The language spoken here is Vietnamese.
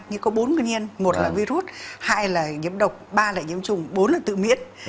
như có bốn nguyên nhân một loại virus hai là nhiễm độc ba là nhiễm trùng bốn loại tự miễn